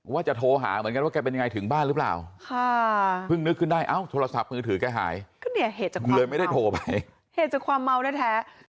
มาทางกลับกูเองแล้วก็เลยมามีเรื่องหน้าบ้าน